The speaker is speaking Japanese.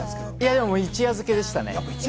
でも、一夜漬けでした。